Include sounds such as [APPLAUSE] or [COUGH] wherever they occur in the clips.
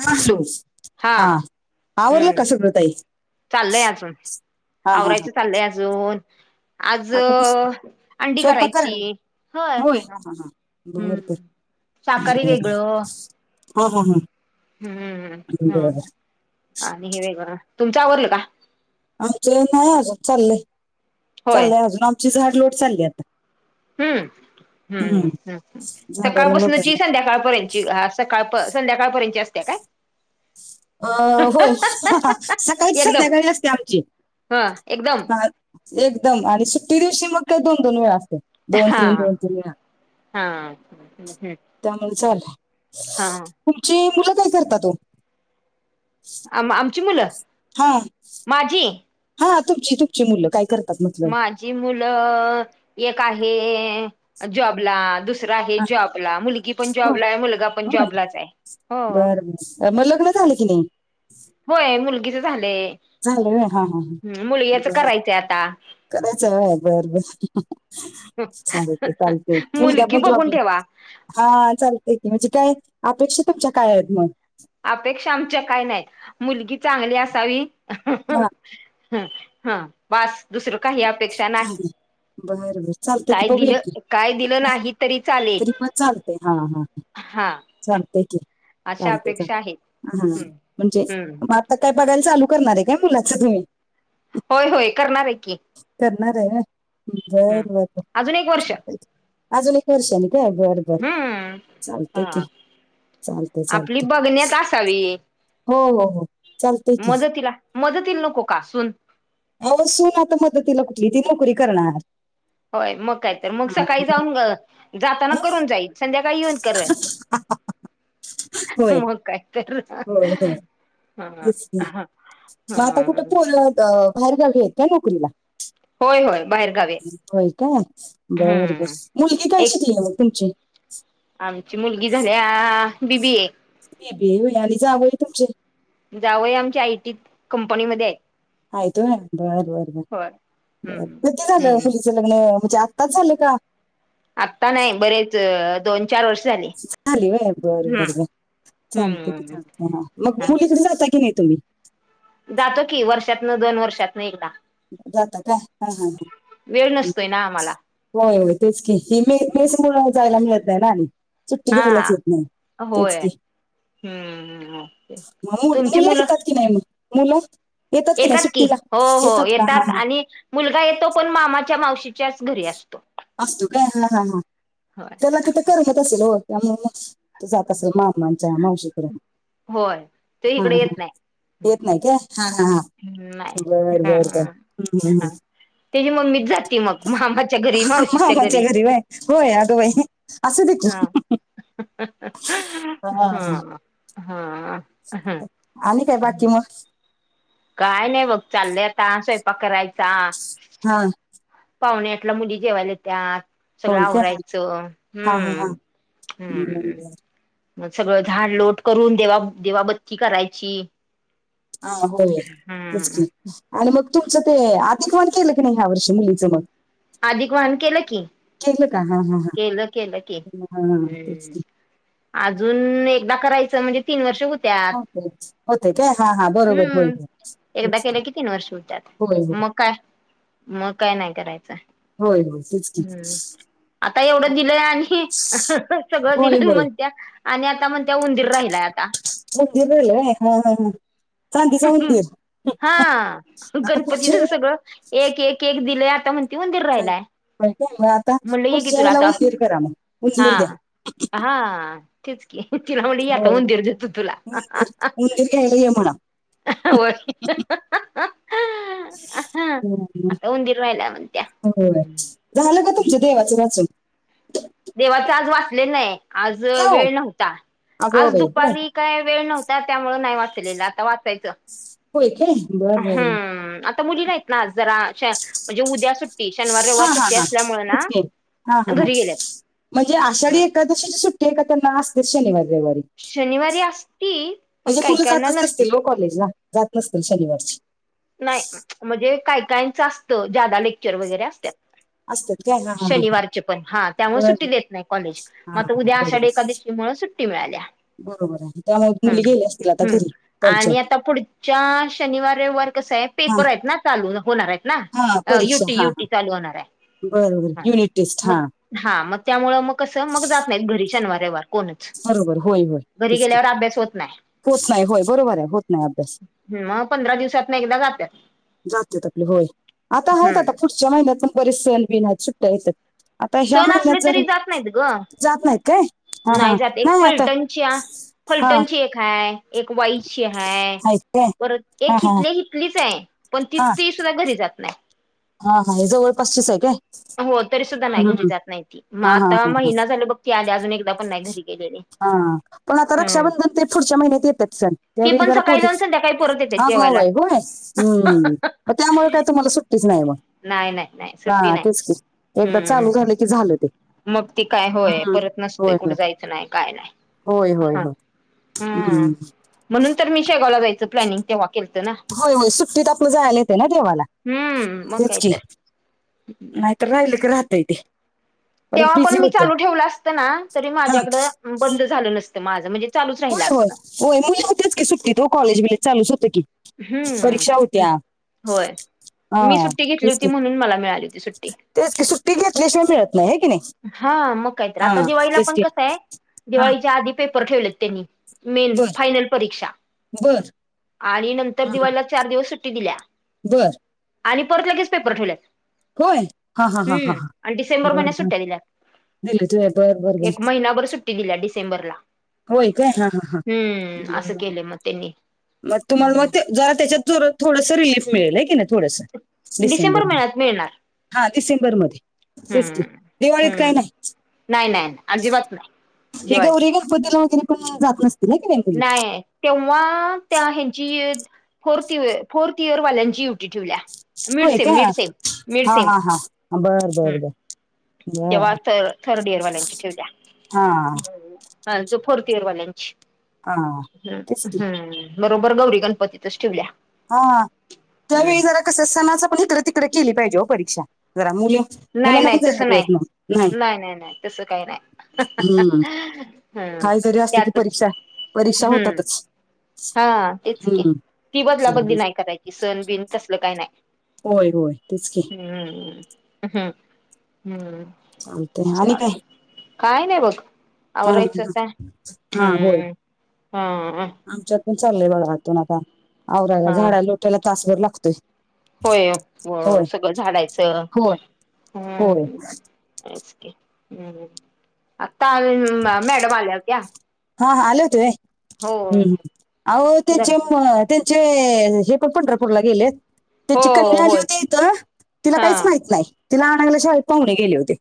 म्हणलो हा. आवरलं हम्म का संगळ ताई, चाललंय अजून हा-हा-हा. आवरायचं चाललंय अजून, आज, कस अंडी स्वयंपाक करणं करायची. होय, हा-हा-हा, हम्म शाकाहारी बरं-बरं. वेगळं हो-हो, हम्म. हम्म, हा-हा आणि हे वेगळं, तुमच आवरलं का? आमचे नाही अजून चाललंय, होय चाललंय अजून आमची झाड लोट चालली आता. हम्म हम्म-हम्म, हम्म झाडाला सकाळपासंनची लोटायला संध्याकाळपर्यंत जी हा सकाळ प संध्याकाळपर्यंतची असते काय? अ होय, सकाळच, एकदम संध्याकाळी असतिया आमची हा एकदम एकदम, आणि सुट्टी दिवशी मग काय दोन-दोन वेळा असतिया. दोन, हा तीन, दोन, तीन, वेळा हा त्यामुळे चालू. हा. तुमची, मुलं काय करता ओ? आम आमची, मुलं हा माझी. हा तुमची-तुमची मुलं काय करतात. म्हटलं माझी मुलं, एक आहे. जॉबला दुस दुसर आहे हा जॉबला, मुलगी पण होय जॉबला आहे. मुलगा पण होय जॉबलाच आहे. हो. बर मग लग्न झाले की नाही? होय मुलगीच झालंय, झालं व्हय? हा हा मुलग्याच करायचंय आता. करायच आहे व्हयं बरं-बरं. चालतंय-चालतंय मुलगा मुलगी पण बघून जॉबला ठेवा हा चालतंय की, म्हणजे काय, मग अपेक्षा तुमच्या काय आहेत मग? अपेक्षा आमच्या काय नाहीत. मुलगी चांगली असावी हा हम्म, हा बास दुसरं काही अपेक्षा नाही. बर बर चालतंय की काय दिल, बघूया की काय दिलं हा, नाही, तरी चालेल. तरी पण चालतंय हा हा हा. चालतंय की, अशा अपेक्षा आहेत चालतंय-चालतंय हा हम्म म्हणजे हम्म आता काय बघायला चालू करणार आहे काय मुलाचं तुम्ही? होय-होय करणार आहे की. करणार आहे होय हम्म बरं बरं अजून एक वर्ष चांग अजून एक वर्षांनी काय बरं बरं हम्म चालतंय हा की. चालतंय, आपली चालतंय, बघण्यात असावी हो, हो, हो. चालतंय की मदतीला मदतीला नको का सून. मग सून आता मदतीला कुठली ती नोकरी करणार. होय मग काय तर मग हा, सकाळी जाऊन जाताना हा. हं? करून जाई संध्याकाळी येऊन कर. होय, काय तर होय, हो. हा मग आता कुठं हम्म पोर बाहेर गावी आहेत का? नोकरीला होय होय बाहेर गावी होय काय बर बर हम्म मुलगी काय? एक शिकली म तुमची. आमची मुलगी झाल्या बी, बी आहे बी, बी होई आणि जावय तुमचे. जावंय आमच्या आयटी कंपनीमध्ये आहे. माहीत होय बरं, बरं, बर, बर, हम्म कधी झालं हम्म मुलीचं तीचं लग्न म्हणजे आत्ताच झालं का? आत्ता नाही बरेच दोन चार वर्ष झाली. चाले बाय बरं, बर, बर चालते की हम्म चालते हा मग मुलीकड जाता की नाही तुम्ही. जातो की वर्षातन दोन वर्षातन एकदा. जात का? हा हा वेळ ह. नसतोय ना आम्हाला होय होय तेच की ही मे पेस मुळ जायला मिळत आहे ना आणि. सुट्टी हा घ्यायलाच येत नाही तेच होय की. हम्म ओके म मु मुलं येतात की नाही मुलं. येतात की नाही सुट्टीला येतात. का हा हा आणि मुलगा येतो पण मामाच्या मावशी असत. असतो काय हा हा हा त्याला तिथं करमत असेल हो त्यामुळं तू जात असेल मामांच्या मावशीकडे. होय ते हा इकडे हा येत नाही. येत नाही का हा ह नाही बरं बरं बरं ह हम्् ह त्याची मम्मीच जाते मग मामाच्या घरी हम्म. मावशीच्या मामाच्या घरी. बाय होय अगोबाई! असू दे हा हा. आणि काय? बाकी मग काय नाही बघ चालले आता स्वयंपाक करायचा. हा. पावणे आटला मुली जेवायला त्या. सगळं होय काय आवरायचं हा हा हम्म, हा बरं, हम्म. बरं. मग सगळं झाड लोट करून देवा देवाबत्ती करायची. हा होय हम्म. तेचकी. आणि मग तुमचं ते आधिकवान केलं की नाही ह्या वर्षी मुलीचं मग. अधिक वान केलं की. केलं का हा हा हा केलं केलं क हा हा, तेच हम्. अजून एकदा करायचं म्हणजे तीन वर्ष होत्या होतेच होते काय हा हा बरोबर होय हम्म होय एकदा केलं की तीन वर्ष होत्यात. होय मग काय मग काय नाही करायचं. होय होय तेच कि. हम्म. आता एवढं दिलंय आणि सगळं होय दिलं होय म्हणत्या - आत्या म्हणतात उंदीर राहिलाय आता. खूप दिवस झाले हा हा हा. चांदीचा उंदीर हा आता गणपतीच पुढच्या वेळी सगळं. एक - एक - एक दिलेयं आता म्हणते उंदीर राहिलायं. म का पुढच्या ला उंदीर कारा मंग हा उंदीर द्या. हा. तेच कि तिला म्हण आता होय मंदिर जातो तुला. उंदीर उंदीर घ्यायला ये म्हणा व्हय. उंदीर राहिलाय म्हणत्या हो झालं का तुमच देवाचं वाचून. देवाच आज वाचले नाहीय आज का हो वेळ नव्हता अगो आज बाई होय दुपारी - काय वेळ नव्हता त्यामुळ नाही वाचलेलं आता वाचायचं. होय काे बरं बरं. हम्म, तर मुली ना आज जरा. म्हणजे उद्या सुट्टी शनिवार हा रविवार हा सुट्टी हा असल्यामुळे ना तेच की हा हा हा घरी गेल्यातं. म्हणजे आषाढी एकादशीची सुट्टी त्यांना असतेच शनिवारी रविवारी? शनिवारी असती पण काई - काई ना नसती. कॉलेज ला जात नसतील शनिवारची. नाही म्हणजे काय कायचं असतं ज्यादा लेक्चर वगैरे असतात. असतात काय हा हा हा शनिवारचे पण हा त्यामुळे सुट्टी बर देत नाही कॉलेज हा म उद्या बरोबर आषाढी एकादशी मूळ सुट्टी. ती मिळाल्या. बरोबर आहे त्यामुळे ह मुली गेल्या असतील आता हम्म घरी त्यांच्या आणि आता पुढच्या शनिवार- रविवार कसं हे. हा पेपर आहेत ना चालू होणार आहेत हा ना परीक्षा युटी- हा हा युटी चालू होणार आहे. बरोबर हा युनिट टेस्ट हा. मग हा मग त्यामुळं मग कसं मग जात नाहीत घरी शनिवार- रविवार. कोणच बरोबर घरी गेल्यावर अभ्यास होत नाही. होतं नाही होय बरोबर आहे होतं. नाही अभ्यास. ह मग पंधरा दिवसात ना एकदा जातात. जात आपले होय आता आहेत आता हम्म. पुढच्या महिन्यात पण बरे सण बिन आहेत सुट्ट्या येतात. आता ह्या सण असले महिन्यात जर तरी जात नाहीत ग जात नाहीत काय हा नाही हा. एक नाही आता फलटणची- हा फलटणची एक हाय आहे. एक वाईची हाय आहेत काय परत हा एक हा हितले हितलीच आहे. पण ति तीसं घरी जात नाही. हाहा हे जवळ पास ची आहे काय? हो तरी सुद्धा नाही हम्म, घरी हम्म. जात नाही त मग हा हा आता हा महिना झाल बघ ती आली अजून एकदा पण नाही घरी गेलेली. हा पण आता हम्म रक्षाबंधन ते पुढच्या महिन्यात येतात सण. ती त्यावेळी पण जरा सकाळी जाऊन पोलीस संध्याकाळी परत येते अगं जेवायला बाई होय हम् त्यामुळे काय तुम्हाला सुट्टया. नाही मग नाही नाही नाही सुट्टी हा नाही तेच क एकदा चालू हम्म झालं की झालं ते. मग ती काय होय हम्म परत नसतेय होय कुठे होय जायचं नाही काय नाही. होय होय हा हम्म होम् म्हणून तर शेगाव जायचं प्लॅनिंग तेव्हा. केलंत ना. होय होय सुट्टीत आपलं जायला येते. ना देवाला मग तेच काय की तर हम्म [UNINTELLIGIBLE] तर राहिलं की राहतय. ते परत तेव्हा पण बिझी मी होते चालू ठेवलं असतं ना, तरी हा माझ्याकड बंद झालं नसत. माझं म्हणजे चालूच राहिल होय होय असं. होय ना! तेच की सुट्टी हो कॉलेज वगैरे चालू असते. की परीक्षा हम्म होत्या होय! हा मी सुट्टी घेतली होती. म्हणून मला मिळाली होती. सुट्टी ते कि सुट्टी घेतल्या शिवाय मिळत नाही. हे की नाही! हा मग काय तर आता हा दिवाळीला तेच पण की कसं आहे. हा दिवाळीच्या आधी पेपर ठेवलेत. त्यांनी मेन बर फायनल परीक्षा बर आणि नंतर हा हा दिवाळीला चार दिवस सुट्टी दिल्या बर आणि परत लगेच. पेपर ठेवल्यात होय हा हा हा हा हम्म हा आणि डिसेंबर बर महिन्यात बर सुट्ट्या दिले तुझे बर बर दिल्यात बर एक महिनाभर सुट्टी दिल्या डिसेंबरला होय काय हा हा हा हम्म असं बर केलं. मग त्यांनी मग तुम्हाला मग जरा त्याच्यात थोडंसं रिलीफ मिळेल हाय की नाही. थोडस डिसेंबर महिन्यात मिळणार डिसेंबरमध्ये तेच कि हम्म दिवाळीत काही हम्म नाही. नाही नाही अजिबात नाही या दिवाळी गौरी गणपती वगैरे पण जात नसतील. ना कि मुली नाही तेव्हा! त्या यांची फोर्थ फोर्थ इयर वाल्यांची हे ठेवल्या होय मेडिसिन काय मेडिसिन हा मेडिसिन, हा हा बर हम् बर बर बर तेव्हा थर्ड इयर वाल्यांची ठेवल्या हा हा जो फोर्थ इयर वाल्यांची हा तेच हम्म की हम् बरोबर गौरी गणपतीतचं ठेवल्या हा हम्म त्यावेळी जरा कसं! सणाच पण तिकडे केली पाहिजे. हो परीक्षा जरा मुल नाही नाही तस नाही नाही नाही नाही, तस काही नाही. हम्म काय जरी असत. की त्यातच परीक्षा परीक्षा हम्म होतातच. हा तेच कि हम्म ती बदला बदली नाही. करायची सण बिन तसल काही नाही. होय होय, तेच की हम्म हम् हम्म चालतंय आणि काय चालतय काय नाही. बघ हा आवरायचं काय हम्म हम आमच्या चालय बागा आतून आता आवरायला हा झाडा लोटायला तासभर लागतोय. होय होय सगळं झाडायचं होय होय हम्म तेच कि आता मॅडम आल्या होत्या हा हा आले होतो होय! हो हम्म हम्म आहो जर त्याची त्यांचे हे पण पंढरपूरला गेलेत. हो त्याची कन्या आली होय होती. इंथ तिला हा काहीच माहित नाही. तिला आणायला शाळेत पाहुणे गेले होते.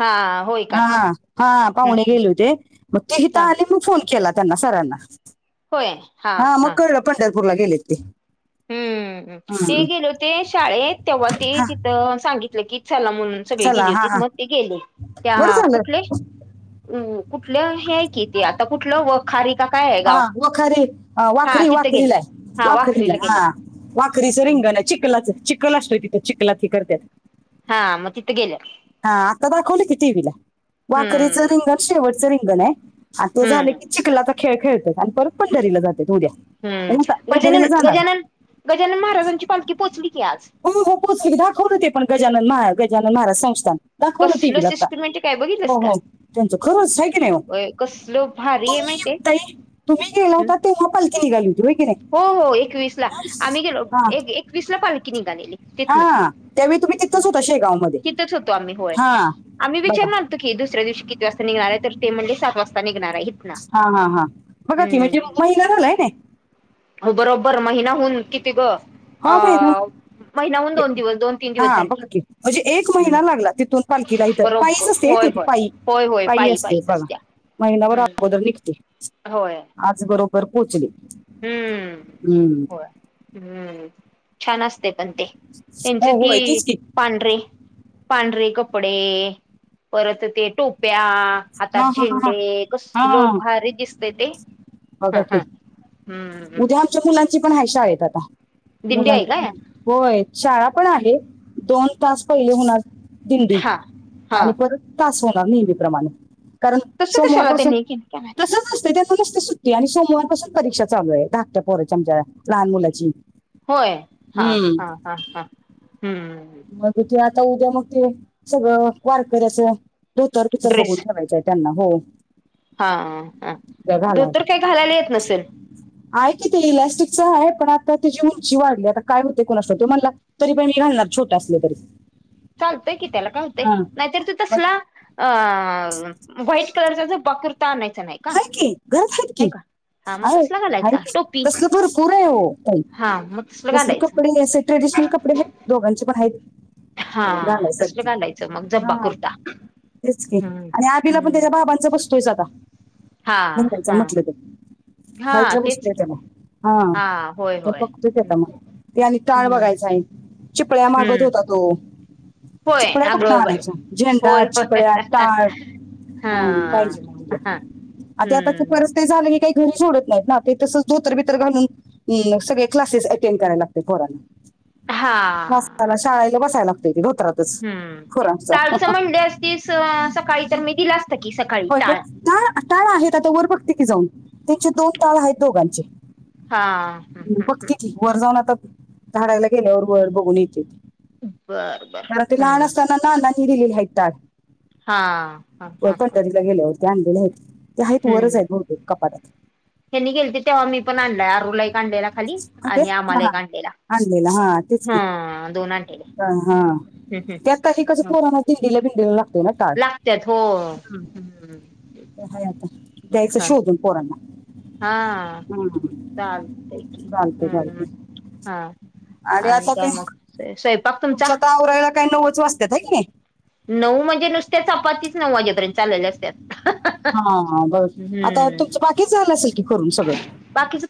हा होय हा काय? हा पाहुणे हम्म गेले होते. मग ते इंथ हा आली मग फोन केला. त्यांना सरांना हा मग कळलं पंढरपूरला गेलेते हम्म ते गेले होते. शाळेत तेव्हा ते हा तिथं सांगितलं. की चला म्हणून सगळे चला गेले हा होते. हा मग ते गेले बरं त्या झालं कुठले! कुठलं हे कि ते आता कुठलं व खारीका हा वखारी, वाखरी, तिथं वाखरी, गेलं लाय हा वाखरी ला. वाखरीला हा गेलं वाखरीचं रिंगन हे चखलाच, चिखल असतोय तिथं चिखलात ह करत. हा मग तीथ गेल्या. हा आता दाखवली की टीव्हीला वाकरीच हम्म रिंगण शेवटचं रिंगण आहे. आ ते झाले हम्म की चिखलाचा खेळ खेळत आणि परत पंढरीला जातात उद्या. हम्म, म्हणजे आता गजानन, पंढरीला जाणार गजानन, गजानन महाराजांची पालखी पोचली की आज. हो हो पोहोचले की दाखवल ते पण गजानन महा गजानन महाराज संस्थान. दाखवलं टी कसलं व्ही आता, सिस्टमॅटिक आहे हो, बघितलंस का हो त्यांच खरच की नाही हो? होय कसलं भारी आहे तुम्ही माहितीय आता तुम्ही गेला होता तेव्हा पलकी निघाली होती हाय की नाही? हो, हो एकवीस ला आम्ही गेलो हा एक, एकवीस ला पालखी निघालेली तिथन. हा त्यावेळी तुम्ही तिथच होता शेगावमध्ये, होतो आम्ही होय हा. आम्ही बघा विचारणारत की दुसऱ्या दिवशी किती वाजता निघणार तर ते म्हणले सात वाजता. निघणार आहे. इथनं हा हा हा बघा कि म्हणजे हम्म महिना झालाय ना? हो बरोबर महिना हुन किती ग अ हा महिण महिनाहून दोन दिवस दोन तीन हा दिवस बघा झाले. की म्हणजे एक महिना लागला तिथून पालकिला इथ बरोबर पईच असते की होय ती होय पई. होय, होय पाई पाईच असतेया. महिना भर अगोदर निघते. होय. आज बरोबर पोहोचली, हम्म हम्म. होय हम्म, छान असते पण ते त्यांच हो होय ती तेच की पांढरे, पांढरे कपडे परत ते टोप्या हा हातात हा हा हा झेंडे कसलो हा भारी दिसत ते, बघा ह, ह. की हम्म. उद्या आमच्या मुलांची पण हाय शाळेत आहेत आता, दिंडी आहे मुलांची पण. काय होय, शाळा पण आहे दोन तास पहिले होणार. दिंडी हा हा आणि परत तास होणार नेहमी प्रमाणे. कारण तसं सोमवार कशाला पासून त्यांनी केली काय माहिती तस नसते त्याना नसते सुट्टी आणि सोमवार पासून परीक्षा चालू आहे धाकट्या पोरची आमच्या लहान मुलाची. होय, हा हम्म हा हा हा हम्म. मग ते आता उद्या मग ते सगळं वारकऱ्याचं धोतर बितर ड्रेस बघून ठेवायचं आहे. त्यांना हो. हा हा उद्या धोतर घालायला काही घालायला येत नसेल? आहे कि ते इलॅस्टिकचं आहे पण आता तिची उंची वाढली आता काय होते कुणाच ठाऊक तुम्हाला तरी बाई मी घालणार छोटं असल तरी चालतोय की त्याला का होतेय हा नाहीतर तू मग तसला अ वाईट कलरचा बाक काय की घरात आहे की. हा मग आहे, तसला हाय घालायचा की टोपी तसल पुर आहे हो ताई हा मग तसलं तसले घालायचं कपडे ट्रेडिशनल कपडे हे दोघांचे पण आहेत. हा दुसर घालायसारखे घालायचं मग जब्बा हा कुर्ता. तेच की हम्म आणि आबीला पण हम्म त्याच्या बाबांचा बसतोय च आता. हा बदलायचा हा म्हटलं तर. हाय हा त्या गोष्टी तेच की द्यायच्या मग अ हा होय तर होय बघतोय त्या का मग. हम्म ते आणि टाळ हम्म बघायचा आहे. चिपळ्या मागत होता तो. होय चिपळ्या कुठन अगं बाई आणायच्या. झेंडा, होय होय चिपळ्या, टाळ हा ह पाहिजे. हा आत्या आता हम्म परस ते झाल की काही घरी सोडत नाहीत ना. ते तसच धोतर बीतर घालून हम्म, मग सगळे क्लासेस अटेंड करायला लागते पोरांना. हा त्याला शाळेला बसाय लागतेय की धोत्रात. हम्म, टाळच म्हणली असतीस सकाळी तर मी दिल असत की सकाळी होय काय? टाळ. टाळ टाळ आहेत. आता वर बघते की जाऊन. त्यांचे दोन टाळ आहेत दोघांचे. हा बघते की. वर जाऊन आता, झाडायला गेल्यावर वर बघून येते. बर बर कारण ते लहान हम्म असताना नानांनी दिलेले आहेत टाळ. हा हा प हा हा पंढरीला गेल्यावर. ते आणलेले आहेत. ते आहेत वरच हम्म आहेत बघुतेक कपाटात. त्यांनी गेलती तेव्हा मी पण आणलाय आरूला एक आणलेला खाली. ओके आणि आम्हाला हा एक आणलेला. आणलेला हा तेच की. हा हम्म हम्म त्या कधी कस पोरांना दिंडीला बिंडीला लाग लागत्यात हो. हाय आता. द्यायच हा शोधून पोरांना. हा हम्म. चलतय की. चालतंय हम्म चालतंय हा आणि आता काय, मग स्वयंपाक तुमच तुमचा तर आवरायला काही नवुच वाजतात आहे की नाही. नऊ म्हणजे, नुसत्या चपातीच नऊ वाजेपर्यंत चाललेल्या असत्यात. हा बर आता हम्म तुमच बाकीच झाल असेल की करून सगळ. बाकीच